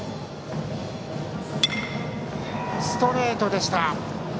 ストレートでした。